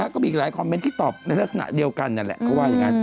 ก็มีอีกหลายคอมเมนต์ที่ตอบในลักษณะเดียวกันนั่นแหละเขาว่าอย่างนั้น